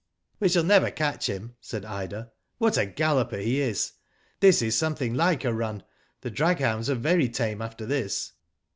We shall never catch him," said Ida. What a galloper he is. This is something like a run. The draghounds are very tame after this."